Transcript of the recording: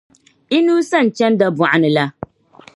Inusah n-chani Dabogni la.